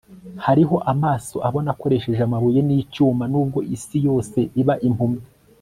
Hariho amaso abona akoresheje amabuye nicyuma nubwo isi yose iba impumyi